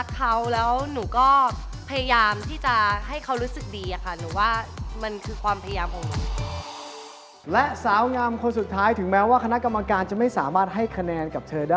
ภาพนี้จะเป็นภาพขายเลยค่ะค่ะ